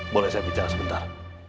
boleh saya bicara sebentar